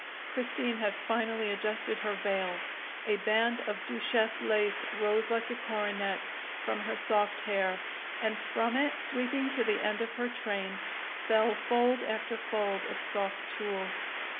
Christine had finally adjusted her veil. A band of duchesse lace rose like a coronet from her soft hair, and from it, sweeping to the end of her train, fell fold after fold of soft tulle.